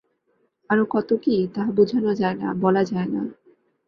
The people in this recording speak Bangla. আরও কত কি, তাহা বুঝানো যায় না-বলা যায় না।